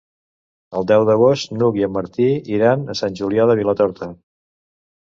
El deu d'agost n'Hug i en Martí iran a Sant Julià de Vilatorta.